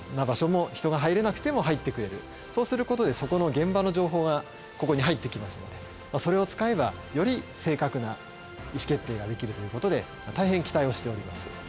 そうすることでそこの現場の情報がここに入ってきますのでそれを使えばより正確な意思決定ができるということで大変期待をしております。